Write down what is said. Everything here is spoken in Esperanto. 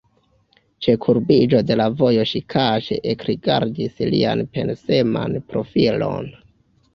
Ĉe kurbiĝo de la vojo ŝi kaŝe ekrigardis lian penseman profilon.